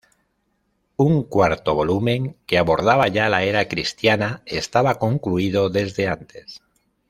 Un cuarto volumen, que abordaba ya la era cristiana, estaba concluido desde antes.